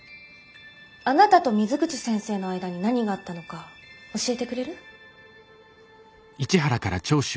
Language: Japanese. あなたと水口先生の間に何があったのか教えてくれる？